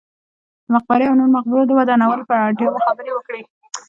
د مقبرې او نورو مقبرو د ودانولو پر اړتیا مو خبرې وکړې.